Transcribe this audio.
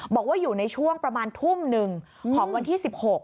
บอกว่าอยู่ในช่วงประมาณทุ่มหนึ่งของวันที่๑๖